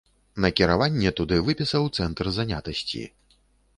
Накіраванне туды выпісаў цэнтр занятасці.